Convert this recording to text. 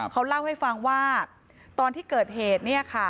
เขาเล่าให้ฟังว่าตอนที่เกิดเหตุ